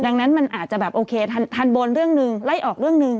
ดังนั้นมันอาจจะแบบโอเคทันบนเรื่องหนึ่งไล่ออกเรื่องหนึ่ง